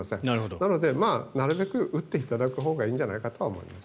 なので、なるべく打っていただくほうがいいんじゃないかとは思います。